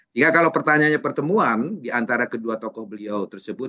sehingga kalau pertanyaannya pertemuan di antara kedua tokoh beliau tersebut